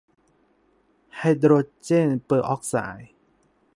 ไฮโดรเจนเปอร์ออกไซด์